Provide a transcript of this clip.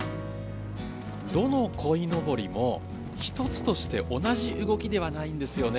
どのこいのぼりも１つとして同じ動きではないんですよね。